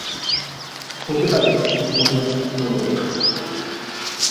হতে পারে কিছু মানুস এখনো রয়ে গেছে।